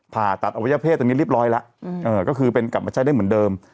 พาตัดอวัยเพศเรียบร้อยแล้วก็คือกลับมาใช้ได้เหมือนเดิม